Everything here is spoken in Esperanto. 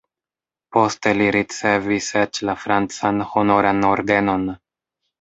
Poste li ricevis eĉ la francan Honoran Ordenon.